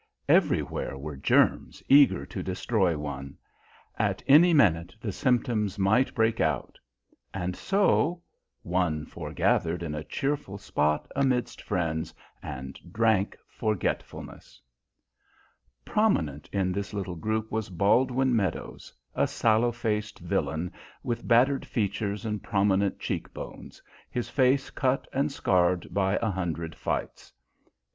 Everywhere were germs eager to destroy one. At any minute the symptoms might break out. And so one foregathered in a cheerful spot amidst friends, and drank forgetfulness. Prominent in this little group was Baldwin Meadows, a sallow faced villain with battered features and prominent cheek bones, his face cut and scarred by a hundred fights.